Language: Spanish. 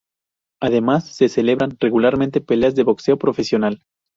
Además se celebran regularmente peleas de boxeo profesional.